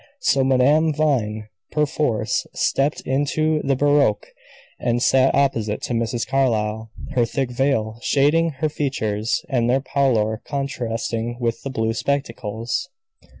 So Madame Vine, perforce, stepped into the barouche and sat opposite to Mrs. Carlyle, her thick veil shading her features, and their pallor contrasting with the blue spectacles.